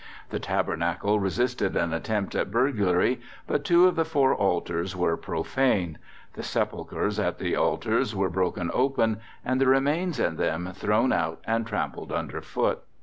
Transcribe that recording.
The tabernacle resisted an attempt at burglary, but two of the four altars were profaned; the sepulchres at the altars were broken open and the remains in them thrown out and trampled under foot.